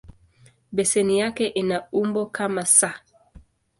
Beseni yake ina umbo kama "S".